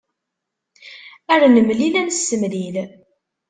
Ar nemlil ad nessemlil.